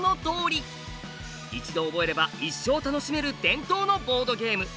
一度覚えれば一生楽しめる伝統のボードゲーム。